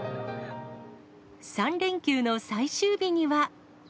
３連休の最終日には。